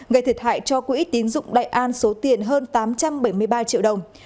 gây thiệt hại cho quỹ tín dụng đại an số tiền hơn tám trăm bảy mươi ba triệu đồng